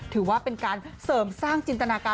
ถือว่าเป็นการเสริมสร้างจินตนาการ